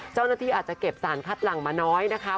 เจ้าหน้าที่อาจจะเก็บสารคัดหลังมาน้อยนะคะ